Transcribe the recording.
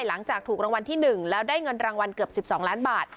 หลังจากถูกรางวัลที่๑แล้วได้เงินรางวัลเกือบ๑๒ล้านบาท